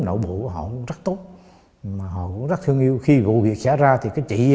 nó bỏ chắc trời mưa rồi